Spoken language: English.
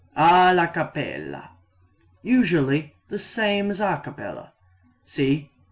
Alla capella usually the same as a capella (see p.